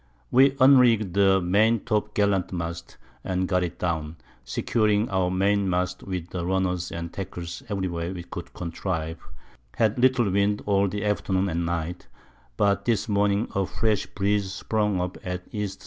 We unrigg'd the Main top gallant Mast, and got it down, securing our Main mast with Runners and Tackles every way we could contrive, had little Wind all the Afternoon and Night, but this Morning a fresh Breeze sprung up at E.S.